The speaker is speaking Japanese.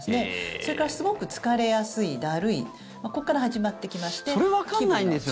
それからすごく疲れやすい、だるいここから始まってきまして気分が落ち込んできますね。